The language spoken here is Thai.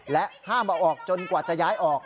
ห้ามเอาออกจนกว่าจะย้ายออก